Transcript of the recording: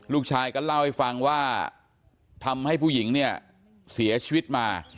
ลูกชายก็เล่าให้ฟังว่าทำให้ผู้หญิงเนี่ยเสียชีวิตมา